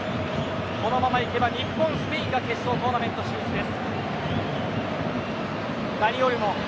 このままいけば日本、スペインが決勝トーナメント進出です。